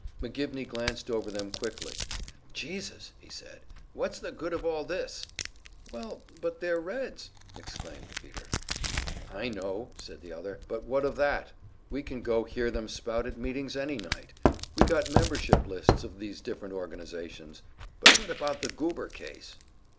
McGivney glanced over them quickly. "Jesus!" he said, "What's the good of all this?" "Well, but they're Reds!" exclaimed Peter. "I know," said the other, "but what of that? We can go hear them spout at meetings any night. We got membership lists of these different organizations. But what about the Goober case?"